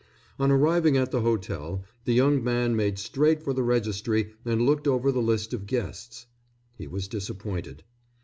On arriving at the hotel, the young man made straight for the registry and looked over the list of guests. He was disappointed.